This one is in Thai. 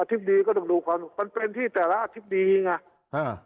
ธิบดีก็ต้องดูก่อนมันเป็นที่แต่ละอธิบดีไงอ่า